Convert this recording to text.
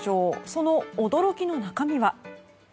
その驚きの中身は？